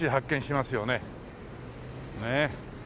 ねえ。